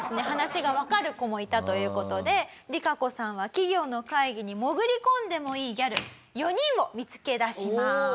話がわかる子もいたという事でリカコさんは企業の会議に潜り込んでもいいギャル４人を見つけ出します。